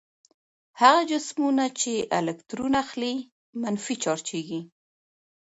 هغه جسمونه چې الکترون اخلي منفي چارجیږي.